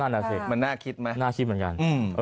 น่าคิดมั้ยน่าคิดเหมือนกัน